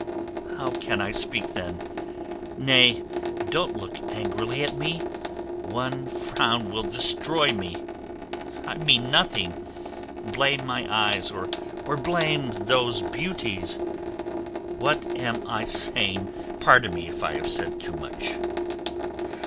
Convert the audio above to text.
How can I speak then? Nay, don't look angrily at me: one frown will destroy me. I mean nothing. Blame my eyes, or blame those beauties. What am I saying? Pardon me if I have said too much.